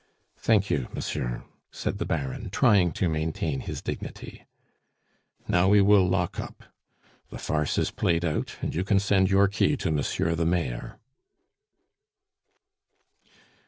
"Thank you, monsieur," said the Baron, trying to maintain his dignity. "Now we will lock up; the farce is played out, and you can send your key to Monsieur the Mayor."